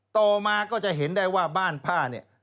ต่อมาก็จะเห็นได้ว่าบ้านผ้าเนี่ย